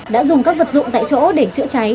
đã dùng các vật dụng tại chỗ để chữa cháy